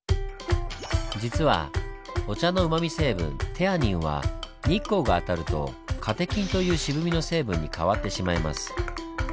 実はお茶のうまみ成分「テアニン」は日光が当たると「カテキン」という渋みの成分に変わってしまいます。